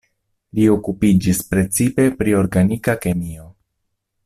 Li okupiĝis precipe pri organika kemio.